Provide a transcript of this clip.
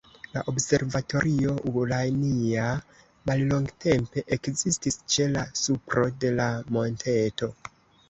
La Observatorio Urania mallongtempe ekzistis ĉe la supro de la monteto.